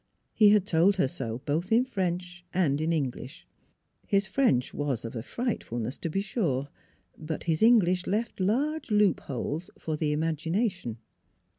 He had told her so, both in French and in English. His French was of a frightfulness, to be sure; but his English left large loopholes for the im agination.